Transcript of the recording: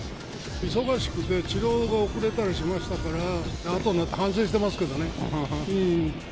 忙しくて治療が遅れたりしてますから、あとになって、反省してますけれどもね。